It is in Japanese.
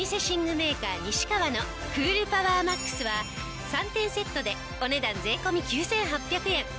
メーカー西川のクールパワーマックスは３点セットでお値段税込９８００円。